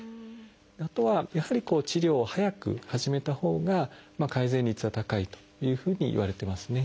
あとはやはり治療を早く始めたほうが改善率は高いというふうにいわれてますね。